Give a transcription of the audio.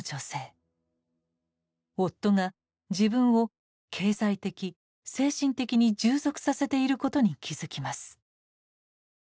夫が自分を経済的精神的に従属させていることに気付きます。